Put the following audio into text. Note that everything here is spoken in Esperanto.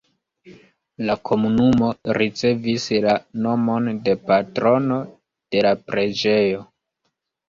La komunumo ricevis la nomon de patrono de la preĝejo.